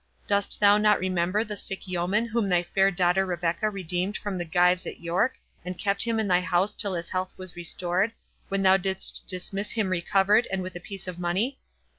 Dost thou not remember the sick yeoman whom thy fair daughter Rebecca redeemed from the gyves at York, and kept him in thy house till his health was restored, when thou didst dismiss him recovered, and with a piece of money?